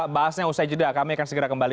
bahasnya usai jeda kami akan segera kembali